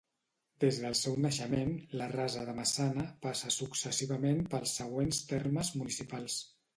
Des del seu naixement, la Rasa de Maçana passa successivament pels següents termes municipals.